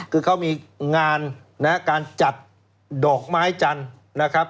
คือเขามีงานนะฮะการจัดดอกไม้จันทร์นะครับ